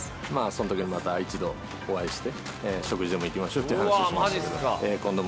そのときにまた一度お会いして、食事でも行きましょうっていう話しましたけど。